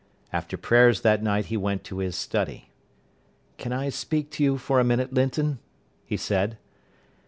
After prayers that night he went to his study. "Can I speak to you for a minute, Linton?" he said.